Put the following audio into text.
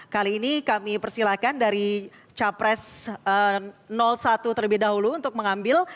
kali ini kami persilahkan dari capres satu terlebih dahulu untuk mengambil